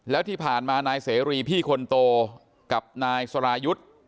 แล้วที่ผ่านมานายเสรีพี่คนโตกับนายสรายุทธ์